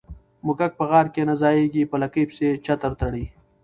ـ موږک په غار کې نه ځايږي، په لکۍ پسې چتر تړي.